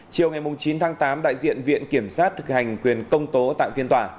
chiều ngày chín tháng tám đại diện viện kiểm sát thực hành quyền công tố tại phiên tòa